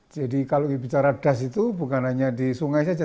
jadi kalau bicara das itu bukan hanya di sungai saja